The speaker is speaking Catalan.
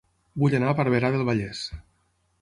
Vull anar a Barberà del Vallès